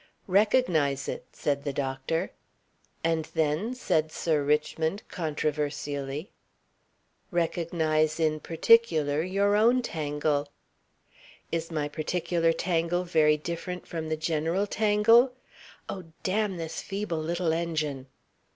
"Recognize it," said the doctor. "And then?" said Sir Richmond, controversially. "Recognize in particular your own tangle." "Is my particular tangle very different from the general tangle? (Oh! Damn this feeble little engine!)